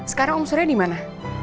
sekarang om suruhnya dimana